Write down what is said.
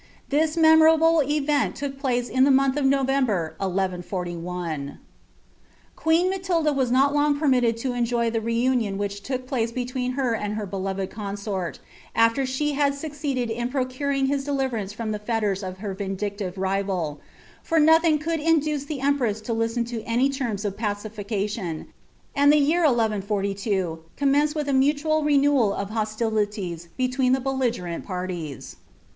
This memorable event look place in the month of NovemMH lUl. C^ueen Matilda was not long permitted to enjoy the re union iriiiri took place between her and her beloved consort, after she hnd j^iircreiiri in procuring hb deliverance from the fetters of her vindictive nval ; fn; nothing could induce the empress to listen to anv terms of [ui iticsHoo. and the year 1142 commenced with a mutual renewal of hosiilii^ kelween the belligerent parties.